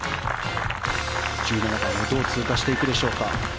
１７番どう通過していくでしょうか。